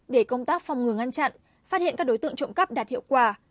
để công tác phòng ngừa ngăn chặn phát hiện các đối tượng trộm cắp đạt hiệu quả